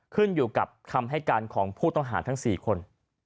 ขึ้นอยู่กับคำให้การของผู้ต้องหาทั้ง๔คน